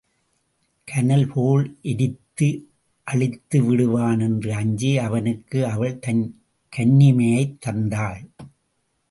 கனல் போல் எரித்து அழித்துவிடுவான் என்று அஞ்சி அவனுக்கு அவள் தன் கன்னிமையைத் தந்தாள்.